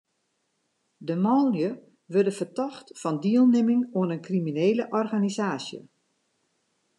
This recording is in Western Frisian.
De manlju wurde fertocht fan dielnimming oan in kriminele organisaasje.